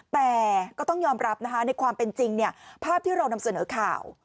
แต่ก็ต้องยอมรับนะคะในความเป็นจริงภาพที่เรานำเสนอข่าว